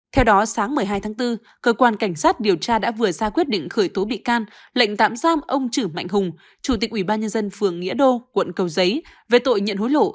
trước đó thông tin từ đại diện phòng cảnh sát kinh tế công an thành phố hà nội cho biết đơn vị ra quyết định khởi tố bị can lệnh tạm giam đối với chủ tịch ủy ban nhân dân phường nghĩa đô về tội nhận hối lộ